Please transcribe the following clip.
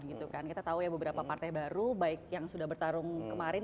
kita tahu ya beberapa partai baru baik yang sudah bertarung kemarin